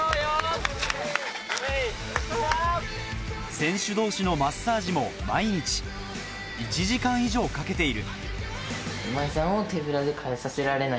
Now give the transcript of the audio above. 選手同士のマッサージも毎日、１時間以上かけている。